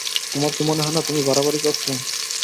তোমার কি মনে হয় না, তুমি বাড়াবাড়ি করছ?